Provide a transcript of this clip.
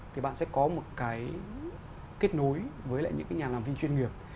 thì bạn sẽ có một cái kết nối với lại những cái nhà làm phim chuyên nghiệp